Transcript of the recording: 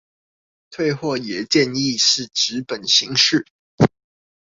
退貨也建議是紙本形式